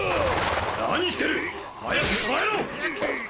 何してる早く捕らえろ！